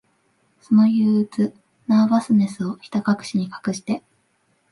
その憂鬱、ナーバスネスを、ひたかくしに隠して、